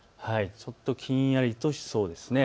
ちょっとひんやりとしそうですね。